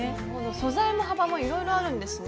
素材も幅もいろいろあるんですね。